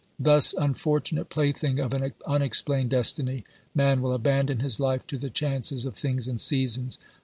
Thus, unfortunate plaything of an unexplained destiny, man will abandon his life to the chances of things and seasons.